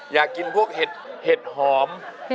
อยากกินพวกเห็ดหอม